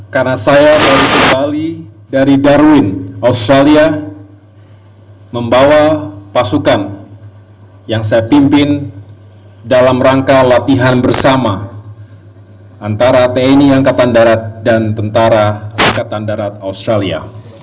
karena saya baru kembali dari darwin australia membawa pasukan yang saya pimpin dalam rangka latihan bersama antara tni angkatan darat dan tentara angkatan darat australia